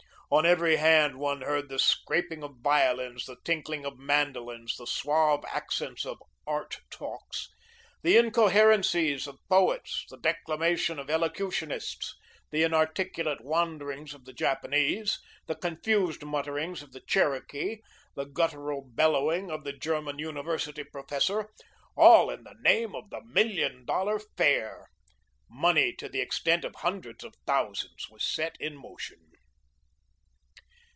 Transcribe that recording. On every hand one heard the scraping of violins, the tinkling of mandolins, the suave accents of "art talks," the incoherencies of poets, the declamation of elocutionists, the inarticulate wanderings of the Japanese, the confused mutterings of the Cherokee, the guttural bellowing of the German university professor, all in the name of the Million Dollar Fair. Money to the extent of hundreds of thousands was set in motion.